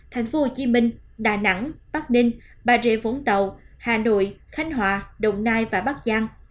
tp hcm đà nẵng bắc ninh bà rịa vũng tàu hà nội khánh hòa đồng nai và bắc giang